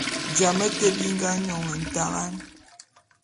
Jame te bi nga nyon ntangan.